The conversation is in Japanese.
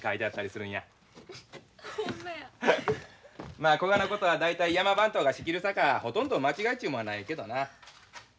まあこがなことは大体山番頭が仕切るさかほとんど間違いちゅうもんはないけどな。